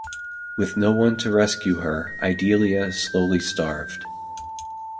With no one to rescue her, Idilia slowly starved.